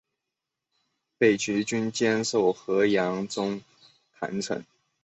北齐军坚守河阳中潭城。